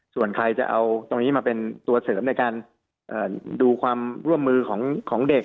ส่วนใครจะเอาตรงนี้มาเป็นตัวเสริมในการดูความร่วมมือของเด็ก